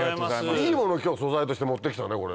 いいものを今日素材として持って来たねこれね。